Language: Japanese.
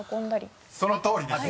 ［そのとおりです。